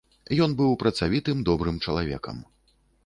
Быў ён працавітым добрым чалавекам.